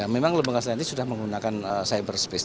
memang lembaga sandi sudah menggunakan cyberspace